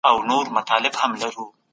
د ابادۍ فصل پیل کړئ.